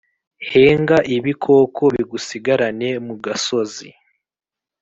Henga ibikoko bigusigarane mu gasozi.